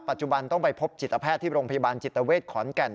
ปัจจุบันต้องไปพบจิตแพทย์ที่โรงพยาบาลจิตเวทขอนแก่น